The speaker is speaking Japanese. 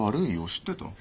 知ってた？